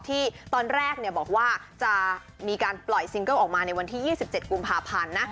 ที่ตอนแรกบอกว่าจะมีการปล่อยซิงเกิลออกมาในวันที่๒๗กุมภาพันธ์นะ